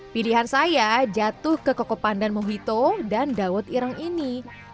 pilihan saya jatuh ke koko pandan mohito dan dawet ireng ini